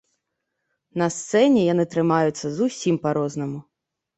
На сцэне яны трымаюцца зусім па-рознаму.